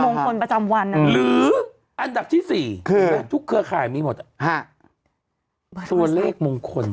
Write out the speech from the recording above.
มงคลประจำวันหรืออันดับที่๔ทุกเครือข่ายมีหมดตัวเลขมงคล